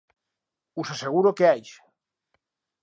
Us asseguro que aix